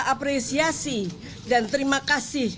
apresiasi dan terima kasih